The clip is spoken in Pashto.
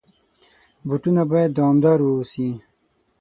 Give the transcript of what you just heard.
بوټونه باید دوامدار واوسي.